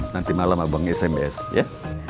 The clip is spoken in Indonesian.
nanti malam abang smbs ya